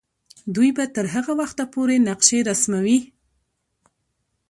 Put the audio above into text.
دوی به تر هغه وخته پورې نقشې رسموي.